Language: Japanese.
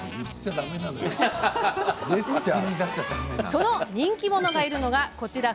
その人気者がいるのが、こちら。